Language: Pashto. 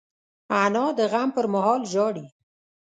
انا د غم پر مهال ژاړي